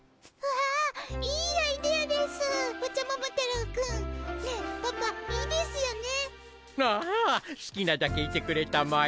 ああすきなだけいてくれたまえ。